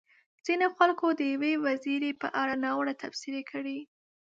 ځينو خلکو د يوې وزيرې په اړه ناوړه تبصرې کړې.